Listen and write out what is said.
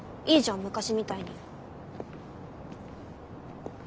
いいじゃん昔みたいに。